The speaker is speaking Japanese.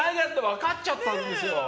分かっちゃったんですよ。